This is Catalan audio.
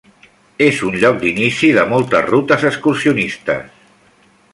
És un lloc d'inici de moltes rutes excursionistes.